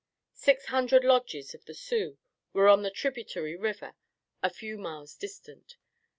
Six hundred lodges of the Sioux were on the tributary river a few miles distant.